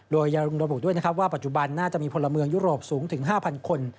โดยยังรบบุกด้วยว่าปัจจุบันน่าจะมีพลเมืองยุโรปสูงถึง๕๐๐๐คน